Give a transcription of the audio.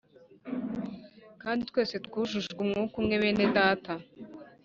Kandi twese twujujwe Umwuka umweBene Data,